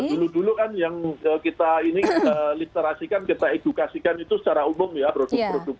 dulu dulu kan yang kita ini literasikan kita edukasikan itu secara umum ya produk produk